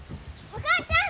お母ちゃん！